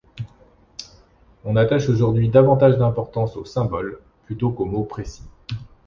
On attache aujourd'hui davantage d'importance aux symboles, plutôt qu'aux mots précis.